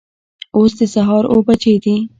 اوس د سهار اوه بجې دي